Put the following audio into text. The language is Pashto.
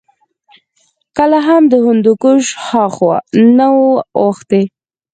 کله هم د هندوکش هاخوا نه وو اوښتي